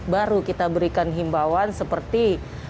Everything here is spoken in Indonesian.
baru kita berikan himbawan seperti